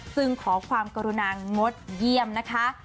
ซึ่งขอความกรุณางดเยี่ยมนะคะ